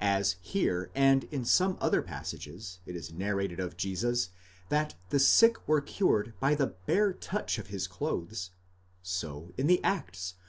As here and in some other passages it is narrated of Jesus, that the sick were cured by the bare touch of his clothes: so in the Acts we 4 Paulus, exeg.